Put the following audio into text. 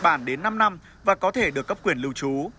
nhật bản đến năm năm và có thể được cấp quyền lưu trú